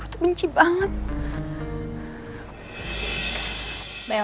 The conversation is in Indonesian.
gue benci banget sama roy